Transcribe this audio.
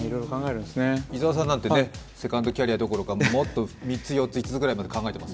伊沢さんなんて、セカンドキャリアどころかもっと３つ、４つ、５つぐらいまで考えています？